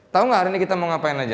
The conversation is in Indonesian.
tahu nggak hari ini kita mau ngapain aja